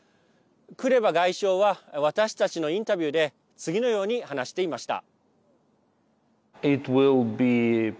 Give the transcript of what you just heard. クレバ外相は私たちのインタビューで次のように話していました。